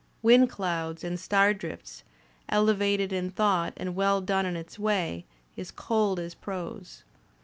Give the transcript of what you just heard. "Wind Clouds and Star Drifts," elevated in thought and well done in its way, is cold as prose.